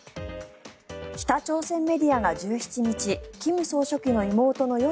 北朝鮮メディアが１７日金総書記の妹の与